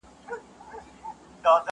دلته برېتورو له مردیه لاس پرېولی دی!.